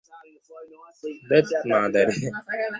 নগরের নিকটে আসিয়া বাজার দেখিতে পাইলেন।